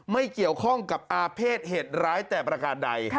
ไม่เกี่ยวข้องกับอาเภษเหตุร้ายแต่ประการใด